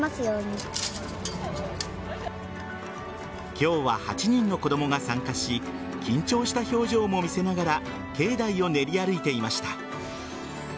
今日は８人の子供が参加し緊張した表情も見せながら境内を練り歩いていました。